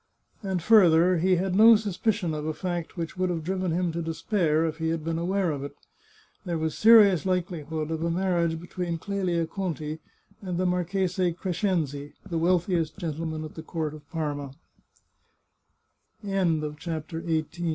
And further, he had no suspicion of a fact which would have driven him to despair, if he had been aware of it. There was serious likelihood of a marriage between Clelia Conti and the Marchese Crescenzi, the wealthiest gentleman at the court of